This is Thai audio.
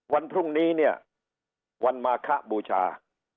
วันพรุ่งนี้เนี่ยวันมาคะบูชา